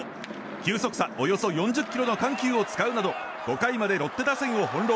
球速差およそ４０キロの緩急を使うなど５回までロッテ打線を翻弄。